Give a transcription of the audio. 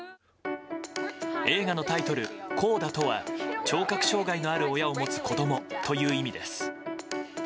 映画のタイトル「コーダ」とは聴覚障害のある親を持つ子供という意味です。